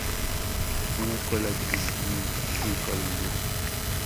Gestiona escuelas en Deming y Columbus.